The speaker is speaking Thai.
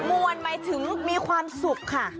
มวลหมายถึงมีความสุขค่ะ